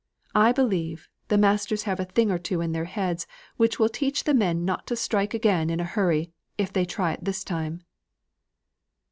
I believe, the masters have a thing or two in their heads which will teach the men not to strike again in a hurry, if they try it this time."